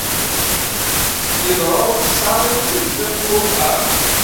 Iḍra uxessaṛ iḍelli sdat n wexxam.